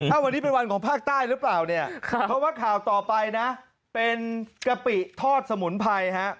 วันนี้เป็นวันของภาคใต้หรือเปล่าเนี่ยเพราะว่าข่าวต่อไปนะเป็นกะปิทอดสมุนไพรฮะ